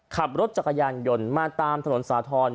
ขับรถจักรยานยนต์มาตามถนนสาธรณ์